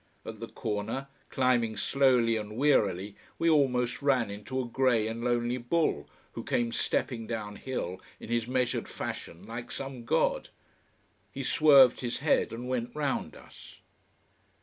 At the corner, climbing slowly and wearily, we almost ran into a grey and lonely bull, who came stepping down hill in his measured fashion like some god. He swerved his head and went round us.